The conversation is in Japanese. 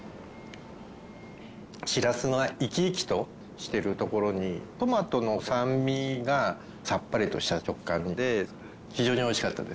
しらすが生き生きとしてるところにトマトの酸味がさっぱりとした食感で非常においしかったです。